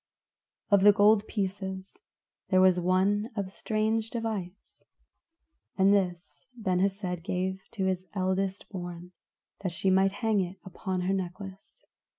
Of the gold pieces there was one of strange device, and this Ben Hesed gave to his eldest born, that she might hang it upon her necklace.